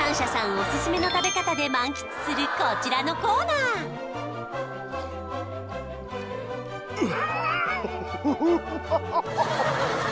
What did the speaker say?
オススメの食べ方で満喫するこちらのコーナーう